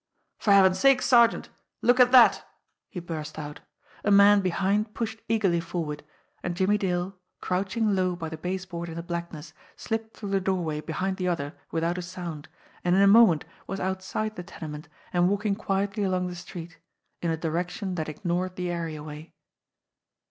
"For Heaven's sake, sergeant, look at that !" he burst out. A man behind pushed eagerly forward. And Jimmie Dale, crouching low by the baseboard in the blackness, slipped through the doorway behind the other without a sound, and in a moment was outside the tenement and walking quietly along the street in a direction that ignored the areaway.